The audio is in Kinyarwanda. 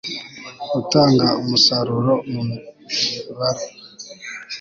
utanga umusaruro mu mibare